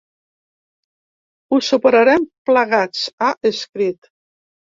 Ho superarem plegats, ha escrit.